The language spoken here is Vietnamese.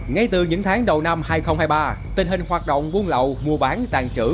ngay từ những tháng đầu năm hai nghìn hai mươi ba tình hình hoạt động buôn lậu mua bán tàn trữ